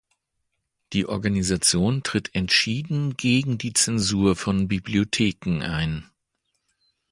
Die Organisation tritt entschieden gegen die Zensur von Bibliotheken ein.